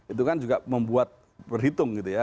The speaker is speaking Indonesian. itu kan juga membuat berhitung gitu ya